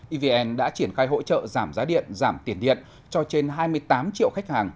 evn đã triển khai hỗ trợ giảm giá điện giảm tiền điện cho trên hai mươi tám triệu khách hàng